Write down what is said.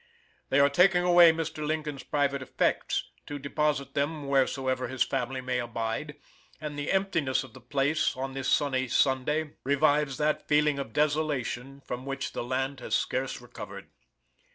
They are taking away Mr. Lincoln's private effects, to deposit them wheresoever his family may abide, and the emptiness of the place, on this sunny Sunday, revives that feeling of desolation from which the land has scarce recovered.